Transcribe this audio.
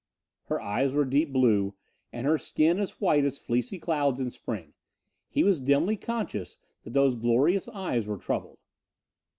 Her eyes were deep blue and her skin as white as fleecy clouds in spring. He was dimly conscious that those glorious eyes were troubled.